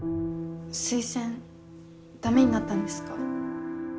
推薦駄目になったんですか？